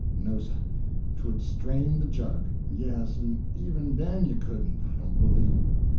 No, sir, 'twould strain de jug. Yes, en even den you couldn't, I don't believe.